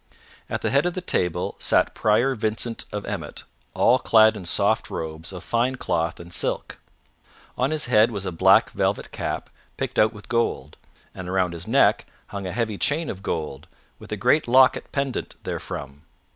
At the head of the table sat Prior Vincent of Emmet all clad in soft robes of fine cloth and silk; on his head was a black velvet cap picked out with gold, and around his neck hung a heavy chain of gold, with a great locket pendant therefrom.